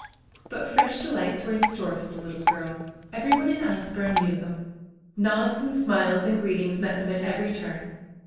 But fresh delights were in store for the little girl. Everyone in Asburne knew them. Nods and smiles and greetings met them at every turn.